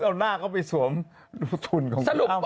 เอาหน้าเขาไปสวมรูปธุรกิจของคุณอั้ม